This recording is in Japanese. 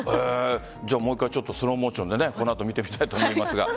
もう１回スローモーションでこの後見てみたいと思います。